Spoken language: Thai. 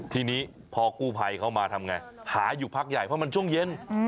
ทีนี้พอกู้ภัยเขามาทำไงหาอยู่พักใหญ่เพราะมันช่วงเย็น